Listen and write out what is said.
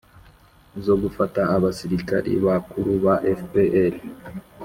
zo gufata abasirikari bakuru ba fpr.